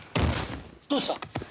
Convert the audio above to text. どうした！？